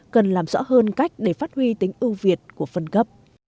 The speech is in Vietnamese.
cần làm rõ hơn cách để phát huy tính ưu việt của phân cấp